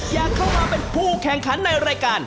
อยากเข้ามาเป็นผู้แข่งขันในรายการ